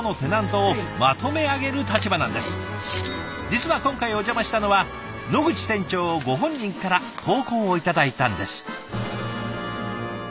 実は今回お邪魔したのは野口店長ご本人から投稿を頂いたんです。